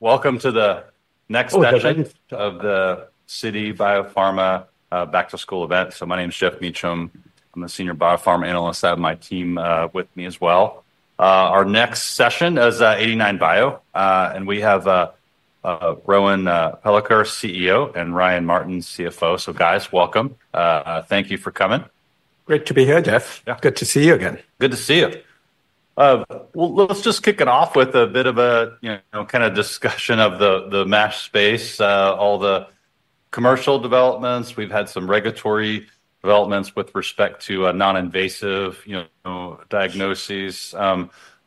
Welcome to the next session of the Citi Biopharma back-to-school event. So my name is Geoff Meacham. I'm the senior biopharma analyst. I have my team with me as well. Our next session is 89bio, and we have Rohan Palekar, CEO, and Ryan Martin, CFO. So guys, welcome. Thank you for coming. Great to be here, Geoff. Good to see you again. Good to see you. Well, let's just kick it off with a bit of a, you know, kind of discussion of the MASH space, all the commercial developments. We've had some regulatory developments with respect to non-invasive diagnoses.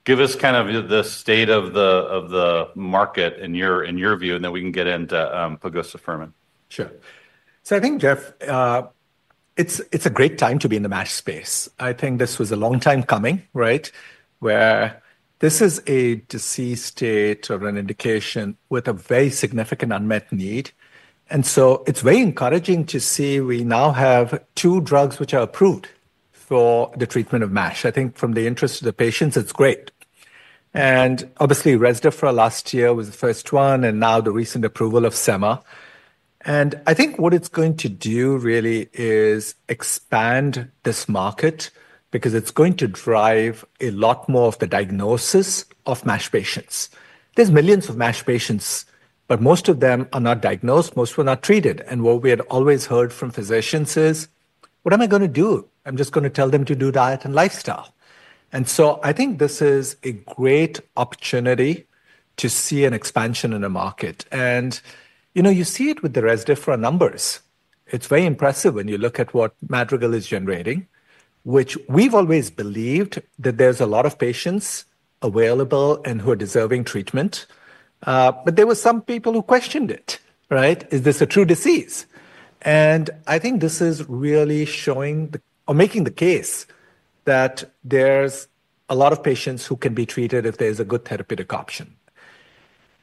Give us kind of the state of the market in your view, and then we can get into pegozafermin. Sure. So I think, Geoff, it's a great time to be in the MASH space. I think this was a long time coming, right, where this is a disease state or an indication with a very significant unmet need. And so it's very encouraging to see we now have two drugs which are approved for the treatment of MASH. I think from the interest of the patients, it's great. And obviously, Resdifra last year was the first one, and now the recent approval of Sema. And I think what it's going to do really is expand this market because it's going to drive a lot more of the diagnosis of MASH patients. There's millions of MASH patients, but most of them are not diagnosed. Most of them are not treated. And what we had always heard from physicians is, what am I going to do? I'm just going to tell them to do diet and lifestyle. And so I think this is a great opportunity to see an expansion in the market. And you see it with the Resdifra numbers. It's very impressive when you look at what Madrigal is generating, which we've always believed that there's a lot of patients available and who are deserving treatment. But there were some people who questioned it, right? Is this a true disease? And I think this is really showing or making the case that there's a lot of patients who can be treated if there's a good therapeutic option.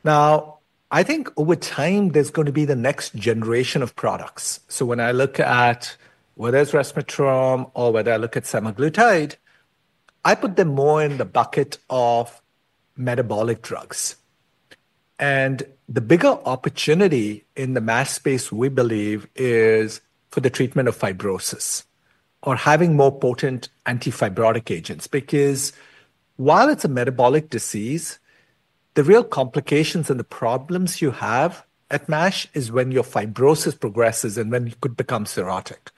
Now, I think over time, there's going to be the next generation of products. So when I look at whether it's resmetirom or whether I look at semaglutide, I put them more in the bucket of metabolic drugs. And the bigger opportunity in the MASH space, we believe, is for the treatment of fibrosis or having more potent antifibrotic agents. Because while it's a metabolic disease, the real complications and the problems you have at MASH is when your fibrosis progresses and when you could become cirrhotic.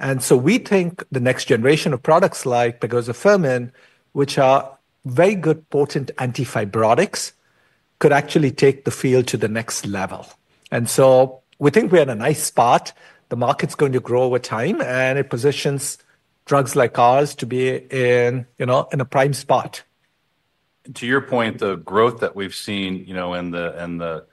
And so we think the next generation of products like pegozafermin, which are very good potent antifibrotics, could actually take the field to the next level. And so we think we're in a nice spot. The market's going to grow over time, and it positions drugs like ours to be in a prime spot. To your point, the growth that we've seen in the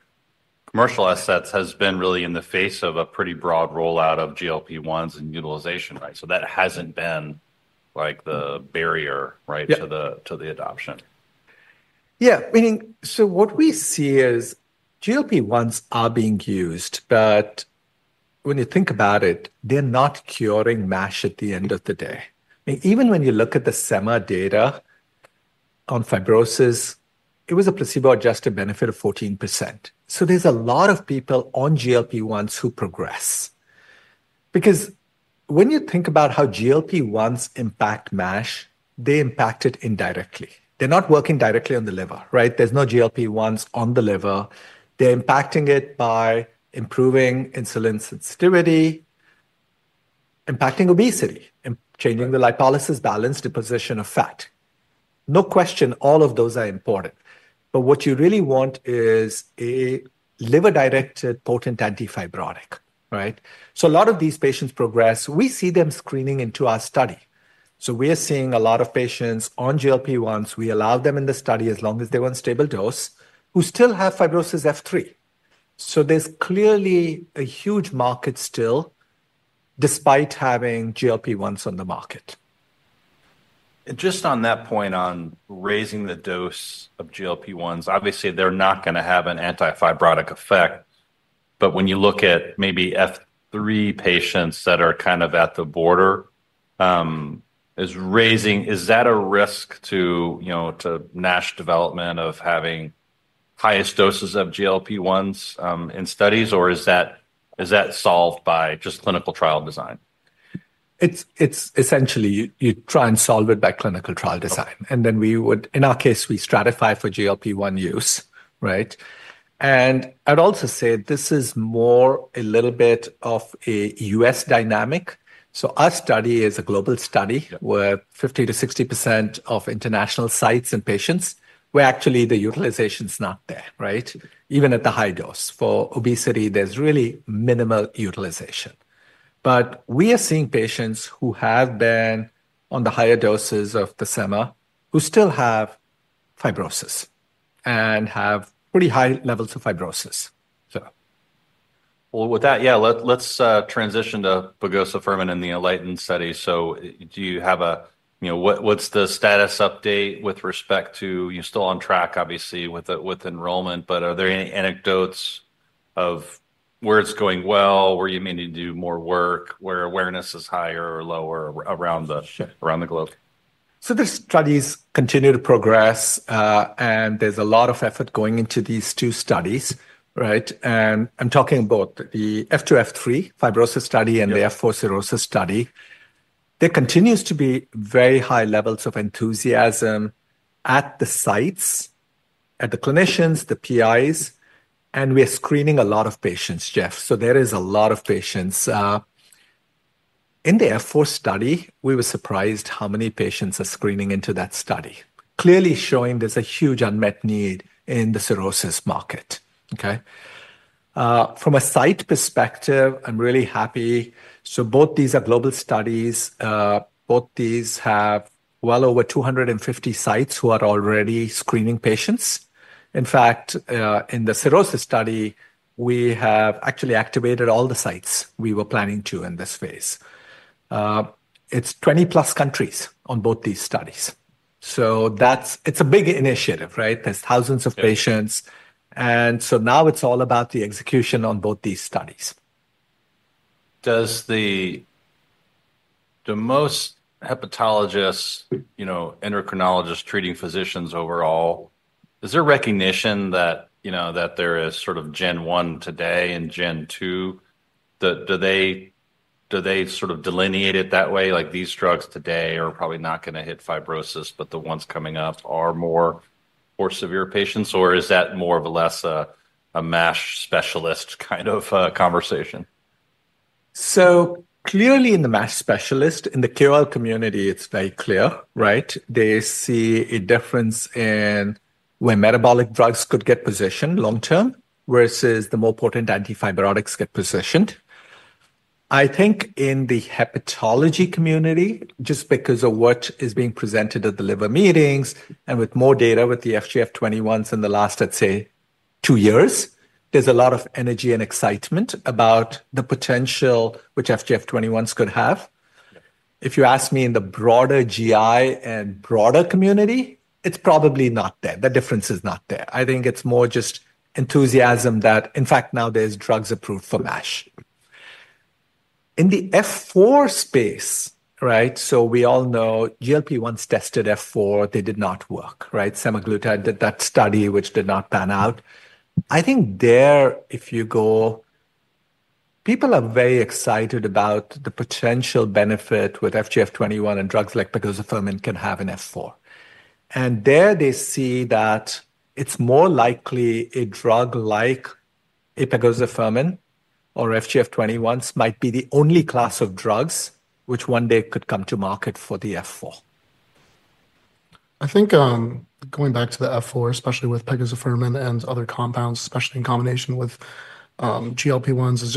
commercial assets has been really in the face of a pretty broad rollout of GLP-1s and utilization, right? So that hasn't been like the barrier to the adoption. Yeah. I mean, so what we see is GLP-1s are being used, but when you think about it, they're not curing MASH at the end of the day. Even when you look at the Sema data on fibrosis, it was a placebo-adjusted benefit of 14%. So there's a lot of people on GLP-1s who progress. Because when you think about how GLP-1s impact MASH, they impact it indirectly. They're not working directly on the liver, right? There's no GLP-1s on the liver. They're impacting it by improving insulin sensitivity, impacting obesity, changing the lipolysis balance, deposition of fat. No question, all of those are important. But what you really want is a liver-directed potent antifibrotic, right? So a lot of these patients progress. We see them screening into our study. So we are seeing a lot of patients on GLP-1s. We allow them in the study as long as they're on a stable dose who still have fibrosis F3. So there's clearly a huge market still despite having GLP-1s on the market. And just on that point on raising the dose of GLP-1s, obviously, they're not going to have an antifibrotic effect. But when you look at maybe F3 patients that are kind of at the border, is that a risk to NASH development of having highest doses of GLP-1s in studies, or is that solved by just clinical trial design? It's essentially you try and solve it by clinical trial design, and then we would, in our case, we stratify for GLP-1 use, right? and I'd also say this is more a little bit of a U.S. dynamic, so our study is a global study where 50%-60% of international sites and patients were actually the utilization is not there, right? Even at the high dose. For obesity, there's really minimal utilization, but we are seeing patients who have been on the higher doses of the Sema who still have fibrosis and have pretty high levels of fibrosis. With that, yeah, let's transition to pegozafermin and the ENLIGHTEN study. So, do you have a, what's the status update with respect to, you're still on track, obviously, with enrollment, but are there any anecdotes of where it's going well, where you may need to do more work, where awareness is higher or lower around the globe? So the studies continue to progress, and there's a lot of effort going into these two studies, right? And I'm talking about the F2F3 fibrosis study and the F4 cirrhosis study. There continues to be very high levels of enthusiasm at the sites, at the clinicians, the PIs, and we are screening a lot of patients, Geoff. So there is a lot of patients. In the F4 study, we were surprised how many patients are screening into that study, clearly showing there's a huge unmet need in the cirrhosis market, okay? From a site perspective, I'm really happy. So both these are global studies. Both these have well over 250 sites who are already screening patients. In fact, in the cirrhosis study, we have actually activated all the sites we were planning to in this phase. It's 20 + countries on both these studies. So it's a big initiative, right? There's thousands of patients, and so now it's all about the execution on both these studies. Do most hepatologists, endocrinologists, treating physicians overall, is there recognition that there is sort of Gen one today and Gen two? Do they sort of delineate it that way? Like these drugs today are probably not going to hit fibrosis, but the ones coming up are for more severe patients, or is that more or less a MASH specialist kind of conversation? So clearly in the MASH specialist, in the KOL community, it's very clear, right? They see a difference in when metabolic drugs could get positioned long-term versus the more potent antifibrotics get positioned. I think in the hepatology community, just because of what is being presented at the liver meetings and with more data with the FGF21s in the last, let's say, two years, there's a lot of energy and excitement about the potential which FGF21s could have. If you ask me in the broader GI and broader community, it's probably not there. The difference is not there. I think it's more just enthusiasm that, in fact, now there's drugs approved for MASH. In the F4 space, right? So we all know GLP-1s tested F4, they did not work, right? Semaglutide did that study, which did not pan out. I think there, if you go, people are very excited about the potential benefit with FGF21 and drugs like pegozafermin can have in F4. And there they see that it's more likely a drug like pegozafermin or FGF21s might be the only class of drugs which one day could come to market for the F4. I think going back to the F4, especially with pegozafermin and other compounds, especially in combination with GLP-1s, is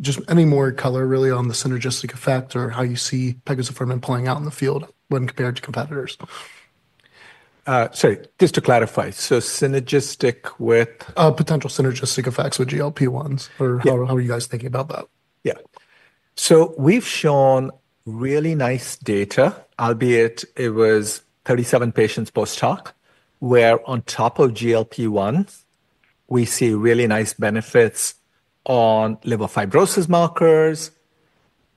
just any more color really on the synergistic effect or how you see pegozafermin playing out in the field when compared to competitors? So, just to clarify, synergistic with. Potential synergistic effects with GLP-1s or how are you guys thinking about that? Yeah. So we've shown really nice data, albeit it was 37 patients post-hoc, where on top of GLP-1s, we see really nice benefits on liver fibrosis markers,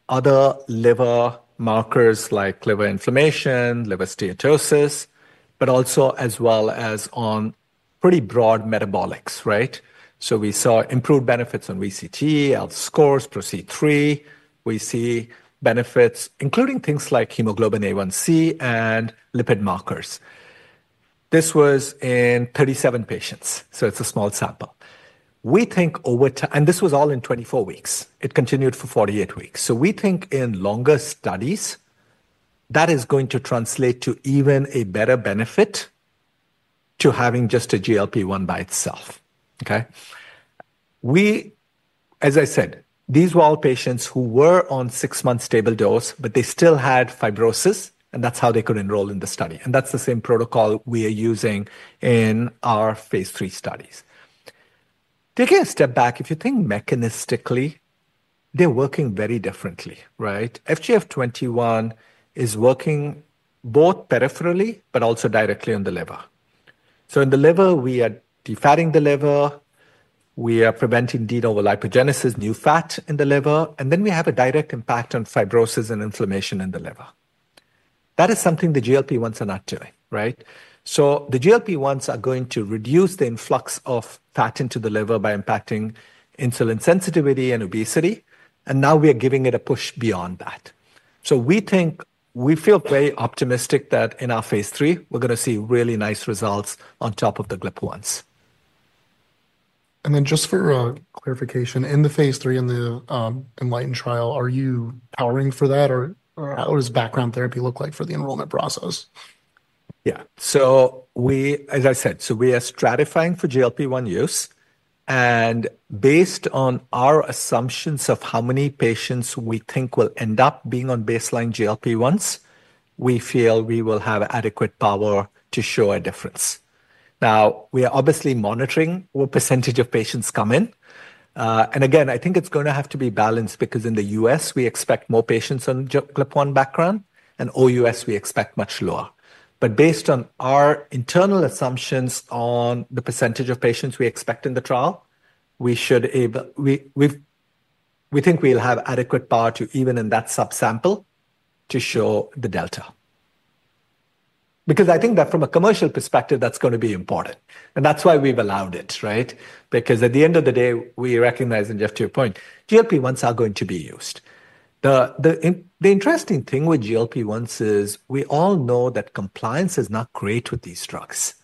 other liver markers like liver inflammation, liver steatosis, but also as well as on pretty broad metabolics, right? So we saw improved benefits on VCTE, ALT scores, ProC3. We see benefits, including things like hemoglobin A1c and lipid markers. This was in 37 patients, so it's a small sample. We think over time, and this was all in 24 weeks. It continued for 48 weeks. So we think in longer studies, that is going to translate to even a better benefit to having just a GLP-1 by itself, okay? As I said, these were all patients who were on six-month stable dose, but they still had fibrosis, and that's how they could enroll in the study. And that's the same protocol we are using in our phase 3 studies. Taking a step back, if you think mechanistically, they're working very differently, right? FGF21 is working both peripherally, but also directly on the liver. So in the liver, we are defatting the liver. We are preventing de novo lipogenesis, new fat in the liver. And then we have a direct impact on fibrosis and inflammation in the liver. That is something the GLP-1s are not doing, right? So the GLP-1s are going to reduce the influx of fat into the liver by impacting insulin sensitivity and obesity. And now we are giving it a push beyond that. So we think we feel very optimistic that in our phase 3, we're going to see really nice results on top of the GLP-1s. And then, just for clarification, in the phase three in the ENLIGHTEN trial, are you powering for that? Or what does background therapy look like for the enrollment process? Yeah. So as I said, so we are stratifying for GLP-1 use. And based on our assumptions of how many patients we think will end up being on baseline GLP-1s, we feel we will have adequate power to show a difference. Now, we are obviously monitoring what percentage of patients come in. And again, I think it's going to have to be balanced because in the U.S., we expect more patients on GLP-1 background, and OUS, we expect much lower. But based on our internal assumptions on the percentage of patients we expect in the trial, we think we'll have adequate power to even in that subsample to show the delta. Because I think that from a commercial perspective, that's going to be important. And that's why we've allowed it, right? Because at the end of the day, we recognize, and Geoff, to your point, GLP-1s are going to be used. The interesting thing with GLP-1s is we all know that compliance is not great with these drugs,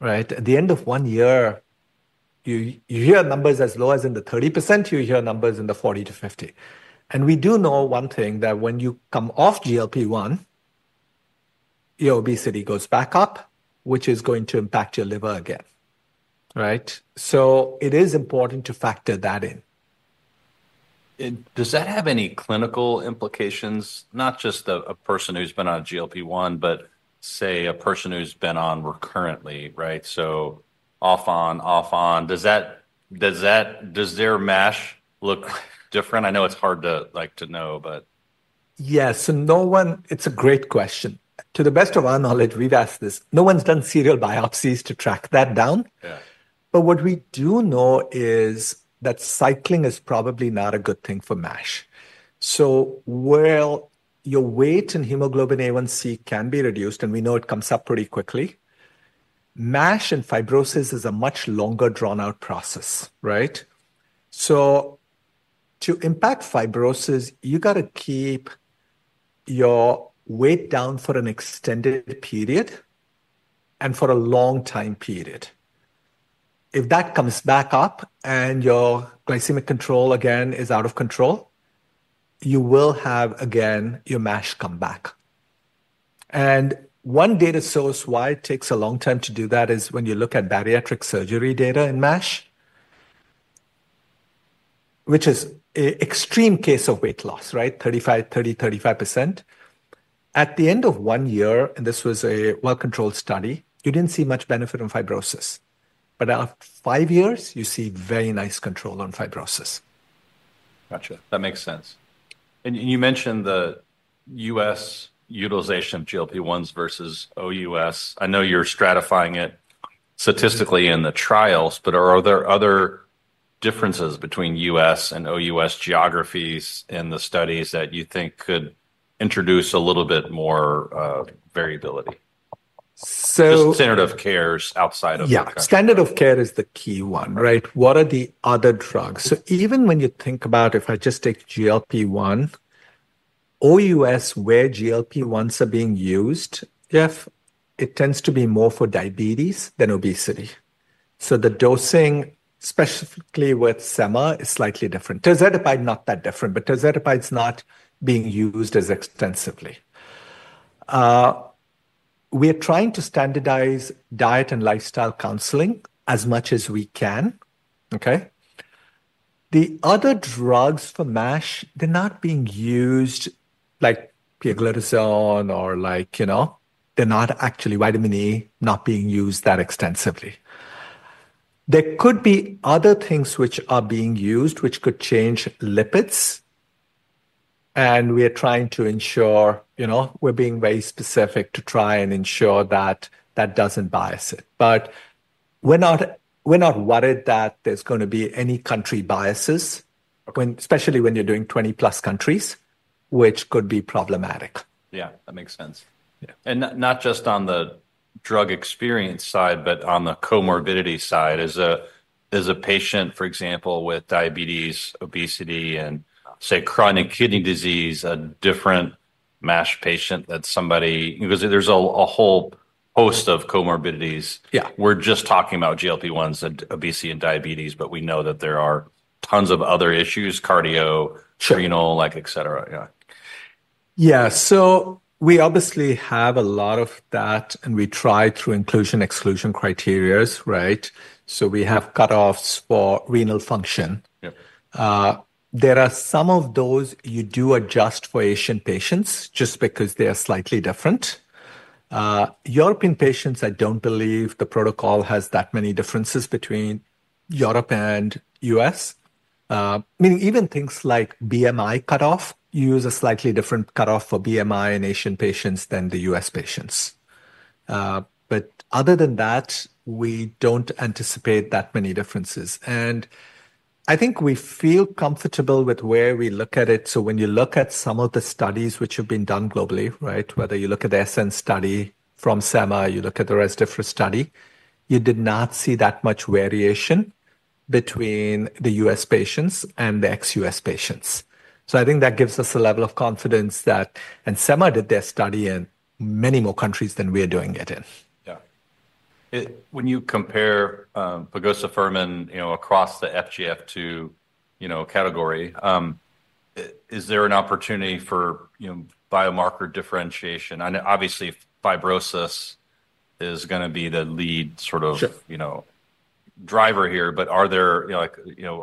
right? At the end of one year, you hear numbers as low as in the 30%, you hear numbers in the 40% to 50%. And we do know one thing that when you come off GLP-1, your obesity goes back up, which is going to impact your liver again, right? So it is important to factor that in. Does that have any clinical implications, not just a person who's been on GLP-1, but say a person who's been on recurrently, right? So off-on, off-on. Does their MASH look different? I know it's hard to know, but. Yes. So, no one; it's a great question. To the best of our knowledge, we've asked this. No one's done serial biopsies to track that down. But what we do know is that cycling is probably not a good thing for MASH. So while your weight and hemoglobin A1c can be reduced, and we know it comes up pretty quickly, MASH and fibrosis is a much longer drawn-out process, right? So to impact fibrosis, you got to keep your weight down for an extended period and for a long time period. If that comes back up and your glycemic control again is out of control, you will have again your MASH come back. And one data source why it takes a long time to do that is when you look at bariatric surgery data in MASH, which is an extreme case of weight loss, right? 35%, 30%, 35%. At the end of one year, and this was a well-controlled study, you didn't see much benefit in fibrosis. But after five years, you see very nice control on fibrosis. Gotcha. That makes sense. And you mentioned the US utilization of GLP-1s versus OUS. I know you're stratifying it statistically in the trials, but are there other differences between U.S. and OUS geographies in the studies that you think could introduce a little bit more variability? Just standard of care outside of. Yeah, standard of care is the key one, right? What are the other drugs? So even when you think about, if I just take GLP-1, OUS where GLP-1s are being used, Jeff, it tends to be more for diabetes than obesity, so the dosing specifically with Sema is slightly different. Tirzepatide not that different, but tirzepatide's not being used as extensively. We are trying to standardize diet and lifestyle counseling as much as we can, okay? The other drugs for MASH, they're not being used like pioglitazone or like, you know, they're not actually Vitamin E, not being used that extensively. There could be other things which are being used which could change lipids, and we are trying to ensure, you know, we're being very specific to try and ensure that that doesn't bias it. But we're not worried that there's going to be any country biases, especially when you're doing 20 plus countries, which could be problematic. Yeah, that makes sense. And not just on the drug experience side, but on the comorbidity side. Is a patient, for example, with diabetes, obesity, and say chronic kidney disease, a different MASH patient that somebody, because there's a whole host of comorbidities? We're just talking about GLP-1s and obesity and diabetes, but we know that there are tons of other issues, cardio, renal, etc. Yeah. So we obviously have a lot of that, and we try through inclusion-exclusion criteria, right? So we have cutoffs for renal function. There are some of those you do adjust for Asian patients just because they are slightly different. European patients, I don't believe the protocol has that many differences between Europe and U.S. I mean, even things like BMI cutoff, you use a slightly different cutoff for BMI in Asian patients than the U.S. patients. But other than that, we don't anticipate that many differences. And I think we feel comfortable with where we look at it. So when you look at some of the studies which have been done globally, right? Whether you look at the SELECT study from Sema, you look at the Resdifra study, you did not see that much variation between the U.S. patients and the ex-U.S. patients. I think that gives us a level of confidence that, and Sema did their study in many more countries than we are doing it in. Yeah. When you compare pegozafermin across the FGF21 category, is there an opportunity for biomarker differentiation? Obviously, fibrosis is going to be the lead sort of driver here, but are there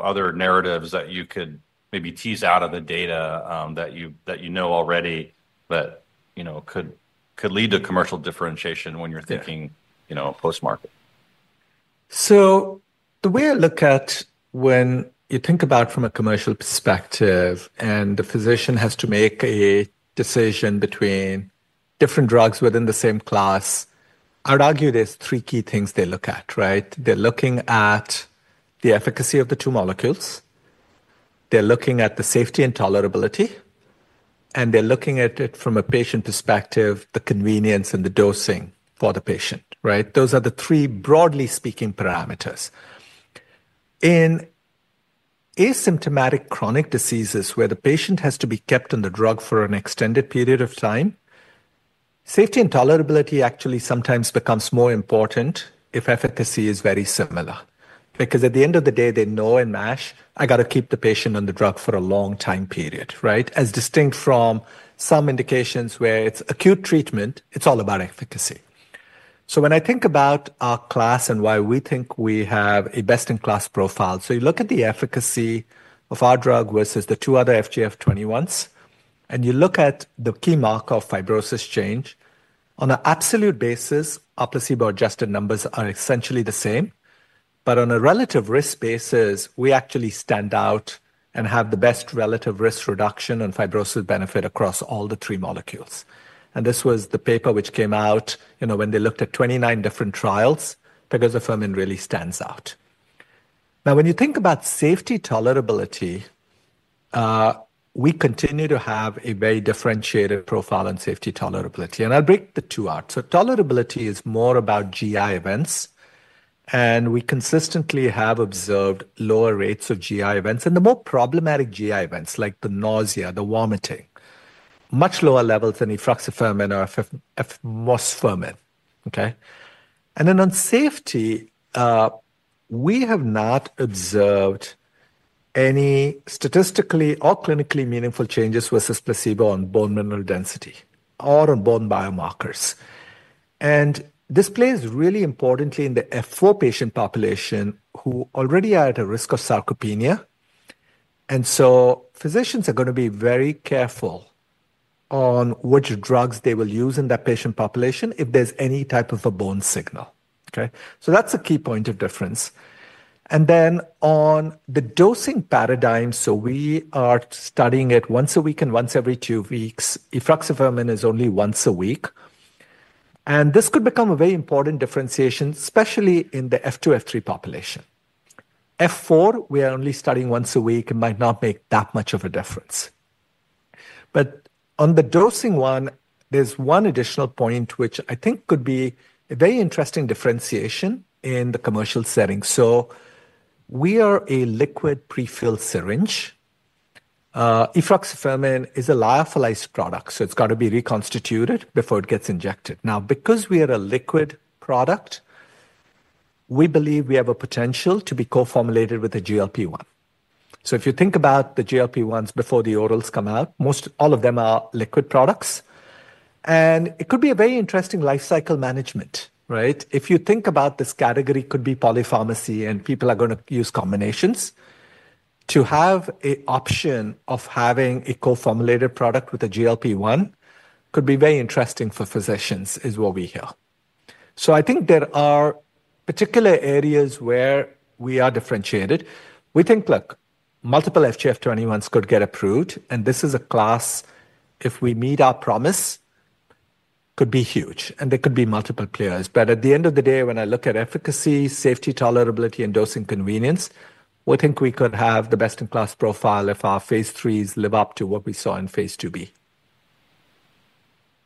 other narratives that you could maybe tease out of the data that you know already that could lead to commercial differentiation when you're thinking post-market? So the way I look at when you think about from a commercial perspective and the physician has to make a decision between different drugs within the same class, I'd argue there's three key things they look at, right? They're looking at the efficacy of the two molecules. They're looking at the safety and tolerability. And they're looking at it from a patient perspective, the convenience and the dosing for the patient, right? Those are the three broadly speaking parameters. In asymptomatic chronic diseases where the patient has to be kept on the drug for an extended period of time, safety and tolerability actually sometimes becomes more important if efficacy is very similar. Because at the end of the day, they know in MASH, I got to keep the patient on the drug for a long time period, right? As distinct from some indications where it's acute treatment, it's all about efficacy. When I think about our class and why we think we have a best-in-class profile, you look at the efficacy of our drug versus the two other FGF21s, and you look at the key marker of fibrosis change. On an absolute basis, our placebo-adjusted numbers are essentially the same. But on a relative risk basis, we actually stand out and have the best relative risk reduction and fibrosis benefit across all the three molecules. This was the paper which came out when they looked at 29 different trials. Pegozafermin really stands out. Now, when you think about safety tolerability, we continue to have a very differentiated profile on safety tolerability. I'll break the two out. Tolerability is more about GI events. We consistently have observed lower rates of GI events and the more problematic GI events like the nausea, the vomiting, much lower levels than efruxifermin or efruxifermin, okay? And then on safety, we have not observed any statistically or clinically meaningful changes versus placebo on bone mineral density or on bone biomarkers. And this plays really importantly in the F4 patient population who already are at a risk of sarcopenia. And so physicians are going to be very careful on which drugs they will use in that patient population if there's any type of a bone signal, okay? So that's a key point of difference. And then on the dosing paradigm, so we are studying it once a week and once every two weeks. Efruxifermin is only once a week. And this could become a very important differentiation, especially in the F2, F3 population. F4, we are only studying once a week. It might not make that much of a difference. But on the dosing one, there's one additional point which I think could be a very interesting differentiation in the commercial setting. So we are a liquid prefilled syringe. Efruxifermin is a lyophilized product, so it's got to be reconstituted before it gets injected. Now, because we are a liquid product, we believe we have a potential to be co-formulated with a GLP-1. So if you think about the GLP-1s before the orals come out, most all of them are liquid products. And it could be a very interesting lifecycle management, right? If you think about this category, it could be polypharmacy and people are going to use combinations. To have an option of having a co-formulated product with a GLP-1 could be very interesting for physicians is what we hear. So I think there are particular areas where we are differentiated. We think, look, multiple FGF21s could get approved. And this is a class, if we meet our promise, could be huge. And there could be multiple players. But at the end of the day, when I look at efficacy, safety, tolerability, and dosing convenience, we think we could have the best-in-class profile if our phase 3s live up to what we saw in phase 2b.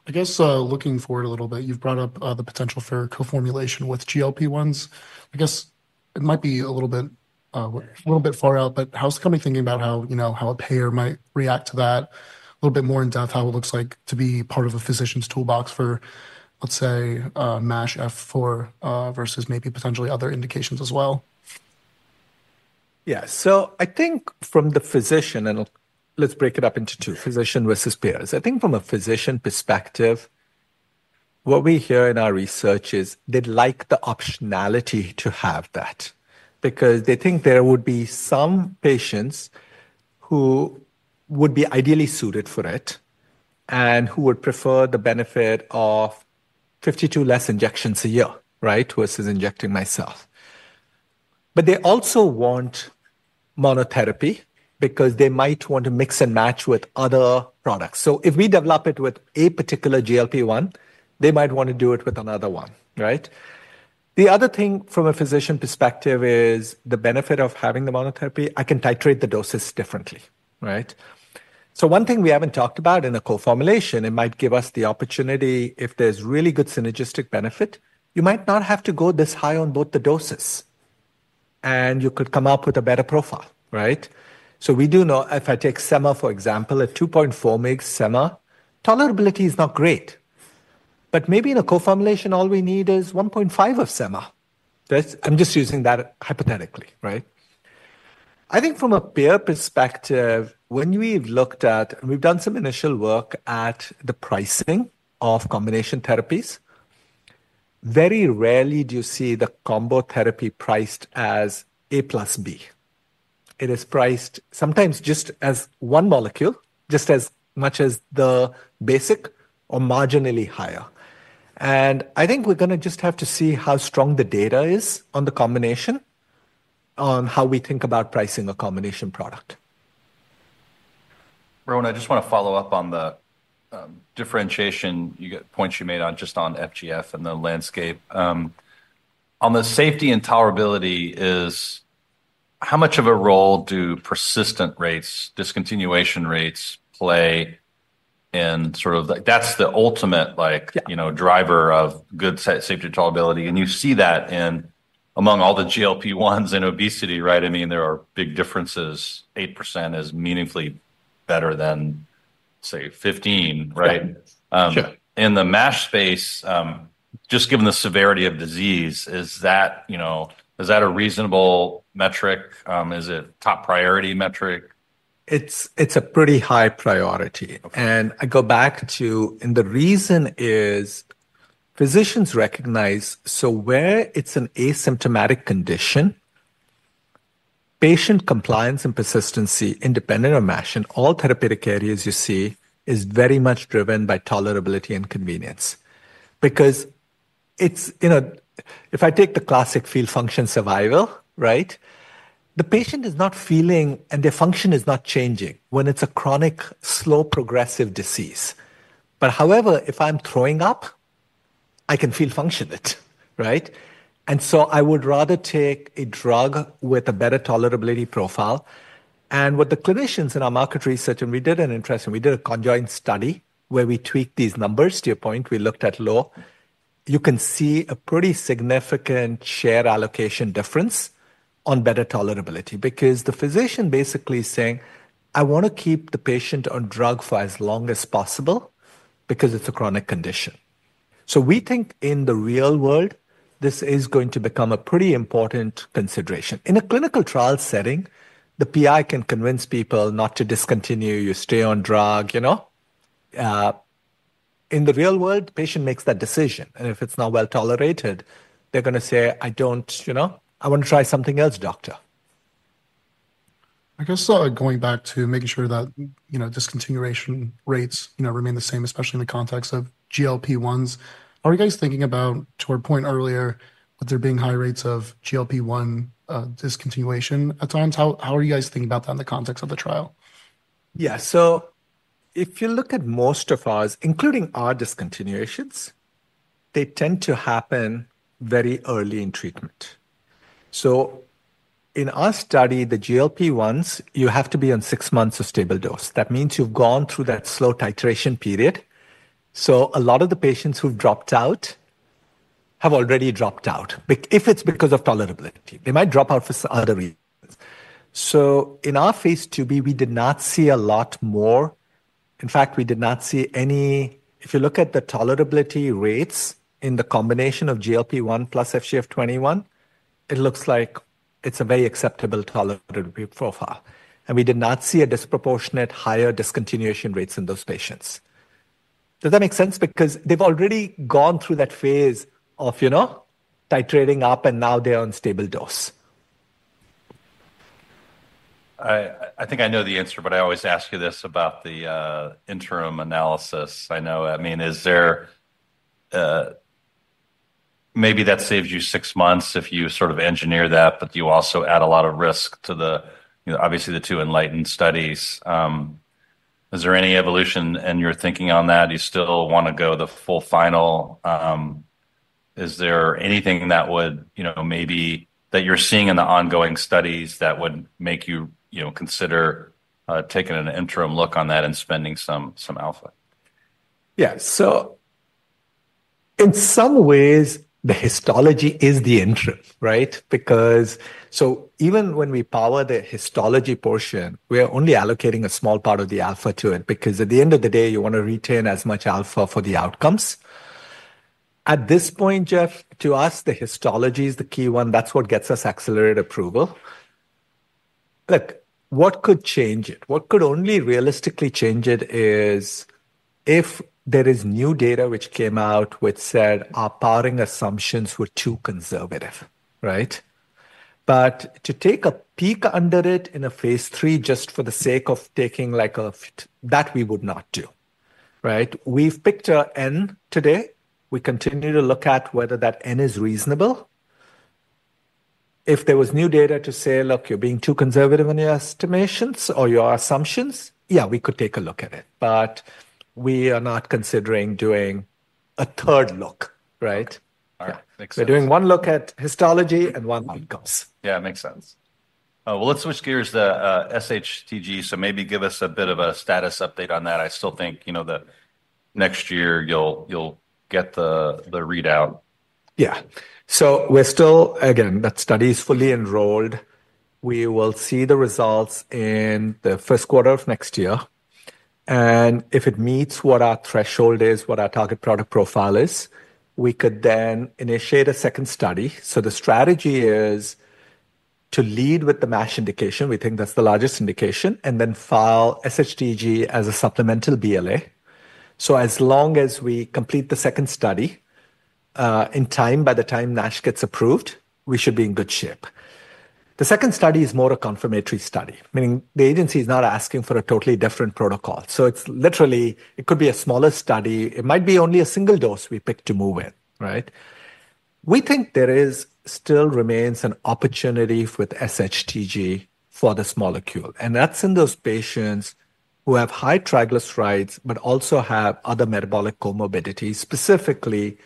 I guess looking forward a little bit, you've brought up the potential for co-formulation with GLP-1s. I guess it might be a little bit far out, but how's the company thinking about how a payer might react to that? A little bit more in depth, how it looks like to be part of a physician's toolbox for, let's say, MASH F4 versus maybe potentially other indications as well? Yeah. So I think from the physician, and let's break it up into two, physician versus payers. I think from a physician perspective, what we hear in our research is they'd like the optionality to have that because they think there would be some patients who would be ideally suited for it and who would prefer the benefit of 52 less injections a year, right, versus injecting myself. But they also want monotherapy because they might want to mix and match with other products. So if we develop it with a particular GLP-1, they might want to do it with another one, right? The other thing from a physician perspective is the benefit of having the monotherapy. I can titrate the doses differently, right? One thing we haven't talked about in a co-formulation. It might give us the opportunity if there's really good synergistic benefit. You might not have to go this high on both the doses. And you could come up with a better profile, right? We do know if I take Sema, for example, at 2.4 mg Sema, tolerability is not great. But maybe in a co-formulation, all we need is 1.5 of Sema. I'm just using that hypothetically, right? I think from a payer perspective, when we've looked at, and we've done some initial work at the pricing of combination therapies, very rarely do you see the combo therapy priced as A+B. It is priced sometimes just as one molecule, just as much as the basic or marginally higher. I think we're going to just have to see how strong the data is on the combination, on how we think about pricing a combination product. Rohan, I just want to follow up on the differentiation points you made on just on FGF and the landscape. On the safety and tolerability, how much of a role do persistence rates, discontinuation rates play in sort of that's the ultimate driver of good safety and tolerability. And you see that among all the GLP-1s and obesity, right? I mean, there are big differences. 8% is meaningfully better than, say, 15%, right? In the MASH space, just given the severity of disease, is that a reasonable metric? Is it a top priority metric? It's a pretty high priority. And I go back to, and the reason is physicians recognize so where it's an asymptomatic condition, patient compliance and persistency independent of MASH in all therapeutic areas you see is very much driven by tolerability and convenience. Because if I take the classic feel function survival, right, the patient is not feeling and their function is not changing when it's a chronic slow progressive disease. But however, if I'm throwing up, I can feel function it, right? And so I would rather take a drug with a better tolerability profile. And what the clinicians in our market research, and we did an interesting, we did a conjoint study where we tweaked these numbers to your point, we looked at low. You can see a pretty significant share allocation difference on better tolerability because the physician basically is saying, I want to keep the patient on drug for as long as possible because it's a chronic condition. So we think in the real world, this is going to become a pretty important consideration. In a clinical trial setting, the PI can convince people not to discontinue, you stay on drug. In the real world, the patient makes that decision. And if it's not well tolerated, they're going to say, I don't, I want to try something else, doctor. I guess going back to making sure that discontinuation rates remain the same, especially in the context of GLP-1s, are you guys thinking about, to our point earlier, that there being high rates of GLP-1 discontinuation at times? How are you guys thinking about that in the context of the trial? Yeah. So if you look at most of ours, including our discontinuations, they tend to happen very early in treatment. So in our study, the GLP-1s, you have to be on six months of stable dose. That means you've gone through that slow titration period. So a lot of the patients who've dropped out have already dropped out if it's because of tolerability. They might drop out for other reasons. So in our phase 2B, we did not see a lot more. In fact, we did not see any, if you look at the tolerability rates in the combination of GLP-1 plus FGF21, it looks like it's a very acceptable tolerability profile. And we did not see a disproportionate higher discontinuation rates in those patients. Does that make sense? Because they've already gone through that phase of titrating up and now they're on stable dose. I think I know the answer, but I always ask you this about the interim analysis. I mean, is there maybe that saves you six months if you sort of engineer that, but you also add a lot of risk to the, obviously, two ENLIGHTEN studies. Is there any evolution in your thinking on that? Do you still want to go the full final? Is there anything that would maybe you're seeing in the ongoing studies that would make you consider taking an interim look on that and spending some alpha? Yeah. So in some ways, the histology is the interim, right? Because so even when we power the histology portion, we are only allocating a small part of the alpha to it because at the end of the day, you want to retain as much alpha for the outcomes. At this point, Geoff, to us, the histology is the key one. That's what gets us accelerated approval. Look, what could change it? What could only realistically change it is if there is new data which came out which said our powering assumptions were too conservative, right? But to take a peek under it in a phase 3 just for the sake of taking like a, that we would not do, right? We've picked an N today. We continue to look at whether that N is reasonable. If there was new data to say, look, you're being too conservative in your estimations or your assumptions, yeah, we could take a look at it. But we are not considering doing a third look, right? We're doing one look at histology and one outcomes. Yeah, makes sense. Well, let's switch gears to SHTG. So maybe give us a bit of a status update on that. I still think that next year you'll get the readout. Yeah. So we're still, again, that study is fully enrolled. We will see the results in the first quarter of next year, and if it meets what our threshold is, what our target product profile is, we could then initiate a second study, so the strategy is to lead with the MASH indication. We think that's the largest indication and then file SHTG as a supplemental BLA, so as long as we complete the second study in time, by the time MASH gets approved, we should be in good shape. The second study is more a confirmatory study, meaning the agency is not asking for a totally different protocol, so it's literally, it could be a smaller study. It might be only a single dose we pick to move in, right? We think there still remains an opportunity with SHTG for this molecule. And that's in those patients who have high triglycerides, but also have other metabolic comorbidities, specifically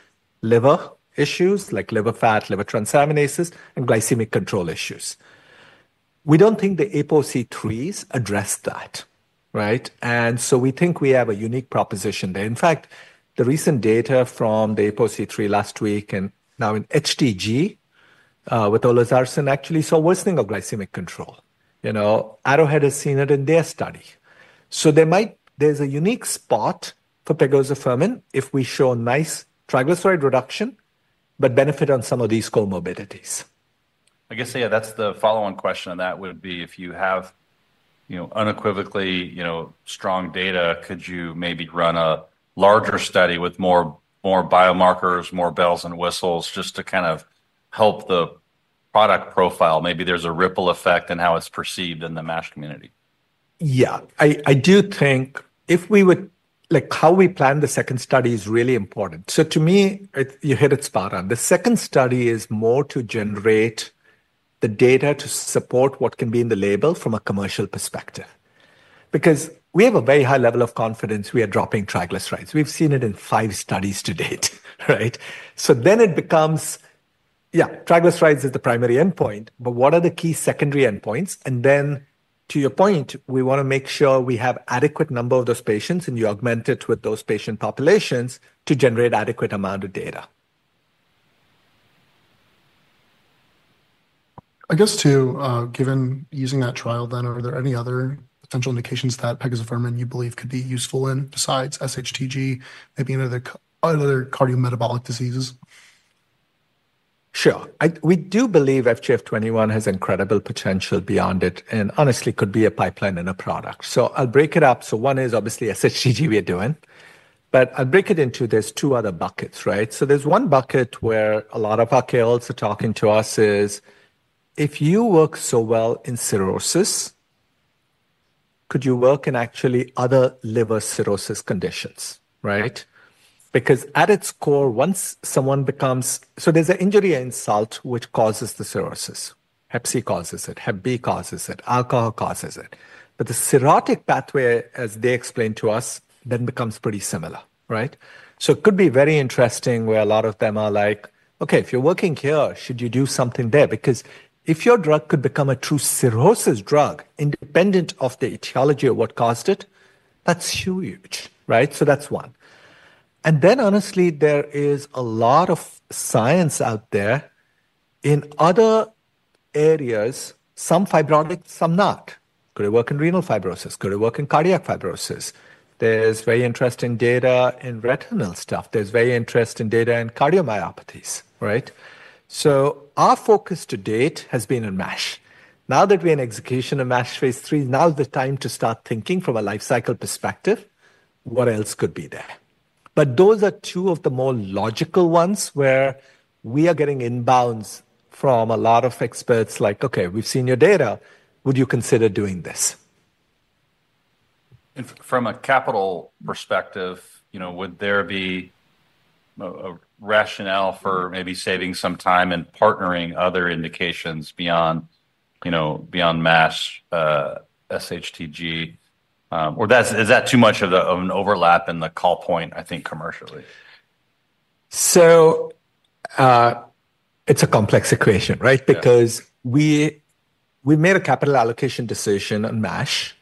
liver issues like liver fat, liver transaminases, and glycemic control issues. We don't think the ApoC3s address that, right? And so we think we have a unique proposition there. In fact, the recent data from the APOC3 last week and now in HTG with olazarsen actually saw worsening of glycemic control. Arrowhead has seen it in their study. So there's a unique spot for pegozafermin if we show nice triglyceride reduction, but benefit on some of these comorbidities. I guess, yeah, that's the follow-on question. And that would be if you have unequivocally strong data, could you maybe run a larger study with more biomarkers, more bells and whistles just to kind of help the product profile? Maybe there's a ripple effect in how it's perceived in the MASH community. Yeah. I do think if we would, like, how we plan the second study is really important. So to me, you hit it spot on. The second study is more to generate the data to support what can be in the label from a commercial perspective. Because we have a very high level of confidence we are dropping triglycerides. We've seen it in five studies to date, right? So then it becomes, yeah, triglycerides is the primary endpoint, but what are the key secondary endpoints? And then to your point, we want to make sure we have adequate number of those patients and you augment it with those patient populations to generate adequate amount of data. I guess too, given using that trial then, are there any other potential indications that pegozafermin you believe could be useful in besides SHTG, maybe in other cardiometabolic diseases? Sure. We do believe FGF21 has incredible potential beyond it and honestly could be a pipeline and a product. So I'll break it up. So one is obviously SHTG we're doing, but I'll break it into there's two other buckets, right? So there's one bucket where a lot of our payers are talking to us is if you work so well in cirrhosis, could you work in actually other liver cirrhosis conditions, right? Because at its core, once someone becomes, so there's an injury insult which causes the cirrhosis. Hep C causes it, Hep B causes it, alcohol causes it. But the cirrhotic pathway, as they explained to us, then becomes pretty similar, right? So it could be very interesting where a lot of them are like, okay, if you're working here, should you do something there? Because if your drug could become a true cirrhosis drug independent of the etiology of what caused it, that's huge, right? So that's one. And then honestly, there is a lot of science out there in other areas, some fibrotic, some not. Could it work in renal fibrosis? Could it work in cardiac fibrosis? There's very interesting data in retinal stuff. There's very interesting data in cardiomyopathies, right? So our focus to date has been in MASH. Now that we're in execution of MASH Phase 3, now's the time to start thinking from a lifecycle perspective, what else could be there? But those are two of the more logical ones where we are getting inbounds from a lot of experts like, okay, we've seen your data, would you consider doing this? From a capital perspective, would there be a rationale for maybe saving some time and partnering other indications beyond MASH, SHTG? Or is that too much of an overlap in the call point, I think, commercially? So it's a complex equation, right? Because we made a capital allocation decision on MASH,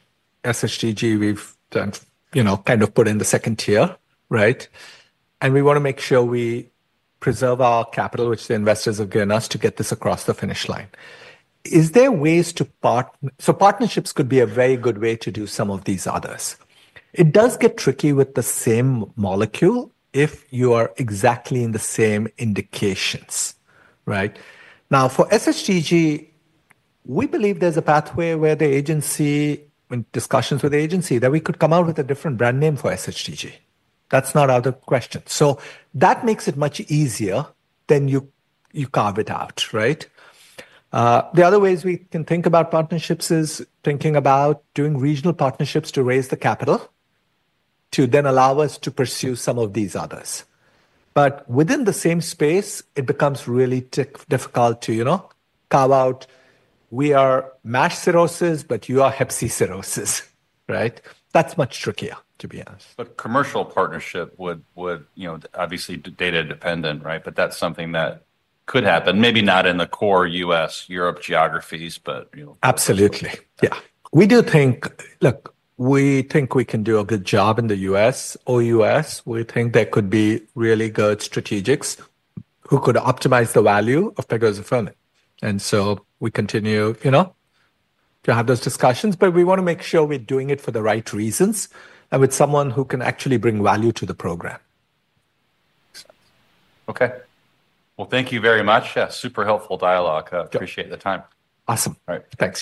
SHTG we've kind of put in the second tier, right? And we want to make sure we preserve our capital, which the investors have given us to get this across the finish line. Is there ways to partner? So partnerships could be a very good way to do some of these others. It does get tricky with the same molecule if you are exactly in the same indications, right? Now for SHTG, we believe there's a pathway where the agency, in discussions with the agency, that we could come out with a different brand name for SHTG. That's not out of the question. So that makes it much easier than if you carve it out, right? The other ways we can think about partnerships is thinking about doing regional partnerships to raise the capital to then allow us to pursue some of these others. But within the same space, it becomes really difficult to carve out, we are MASH cirrhosis, but you are Hep C cirrhosis, right? That's much trickier, to be honest. But commercial partnership would obviously be data dependent, right? But that's something that could happen, maybe not in the core US, Europe geographies, but. Absolutely. Yeah. We do think, look, we think we can do a good job in the US, OUS. We think there could be really good strategics who could optimize the value of pegozafermin. And so we continue to have those discussions, but we want to make sure we're doing it for the right reasons and with someone who can actually bring value to the program. Okay. Well, thank you very much. Super helpful dialogue. Appreciatethe time. Awesome. All right. Thanks.